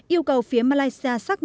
yêu cầu phía malaysia xác minh